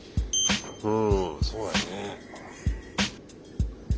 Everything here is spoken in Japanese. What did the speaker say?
うんそうだよね。